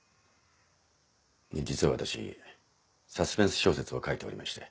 実は私サスペンス小説を書いておりまして。